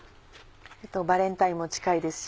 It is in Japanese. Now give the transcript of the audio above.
バレンタインも近いですし。